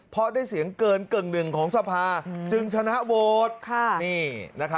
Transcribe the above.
เพราะได้เสียงเกินกึ่งหนึ่งของสภาจึงชนะโหวต